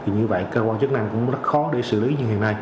như vậy cơ quan chức năng cũng rất khó để xử lý như hiện nay